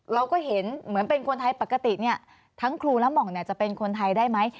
เราก็เห็นเหมือนเป็นคนไทยปกติเนี่ยทั้งครูและหม่องจะเป็นคนไทยได้ไหม